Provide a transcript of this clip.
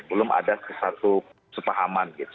belum ada satu sepahaman